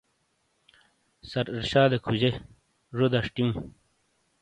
سر ارشادے کھُوجے، زو دَشٹِیوں۔